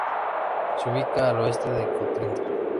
Se ubica al oeste de Corinto.